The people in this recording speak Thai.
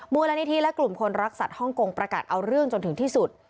มูลนิธิและกลุ่มคนรักสัตว์ฮ่องกงประกาศเอาเรื่องจนถึงที่สุด